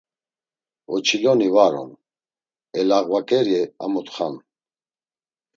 Oçiloni var on, elağvaǩeri a mutxa’n.